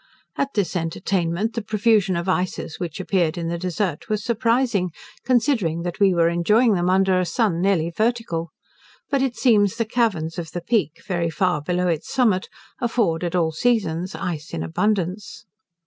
At this entertainment the profusion of ices which appeared in the desert was surprising, considering that we were enjoying them under a sun nearly vertical. But it seems the caverns of the Peak, very far below its summit, afford, at all seasons, ice in abundance.